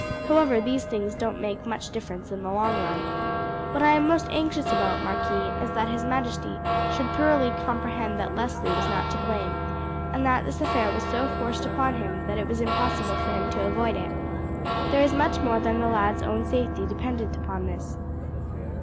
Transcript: However, these things don't make much difference in the long run. What I am most anxious about, marquis, is that his majesty should thoroughly comprehend that Leslie was not to blame, and that this affair was so forced upon him that it was impossible for him to avoid it. There is much more than the lad's own safety dependent on this."